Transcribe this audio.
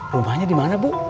rumahnya dimana bu